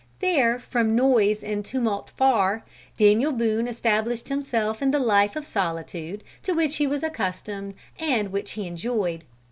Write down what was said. There "from noise and tumult far," Daniel Boone established himself in the life of solitude, to which he was accustomed and which he enjoyed.